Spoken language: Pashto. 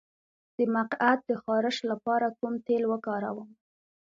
د مقعد د خارش لپاره کوم تېل وکاروم؟